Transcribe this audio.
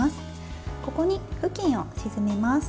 ここに布巾を沈めます。